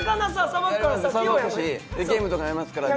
さばくしゲームとかやりますから。